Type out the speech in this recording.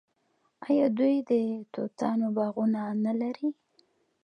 آیا دوی د توتانو باغونه نلري؟